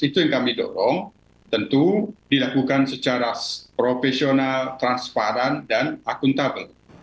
itu yang kami dorong tentu dilakukan secara profesional transparan dan akuntabel